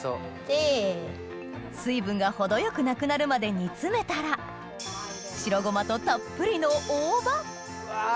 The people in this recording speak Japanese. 水分が程よくなくなるまで煮詰めたら白ゴマとたっぷりの大葉うわ。